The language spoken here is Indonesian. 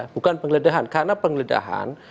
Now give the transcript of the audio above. bukan penggeledahan karena penggeledahan